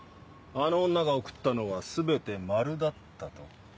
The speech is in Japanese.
あの女が送ったのは全て「○」だったと。